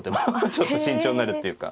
ちょっと慎重になるっていうか。